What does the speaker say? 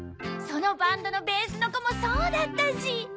そのバンドのベースの子もそうだったし！